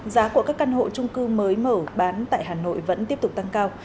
giá của các căn hộ trung cư mới mở bán tại hà nội vẫn tiếp tục tăng cao